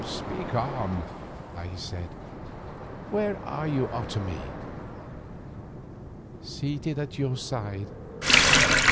"Speak on," I said. "Where are you, Otomie?" "Seated at your side.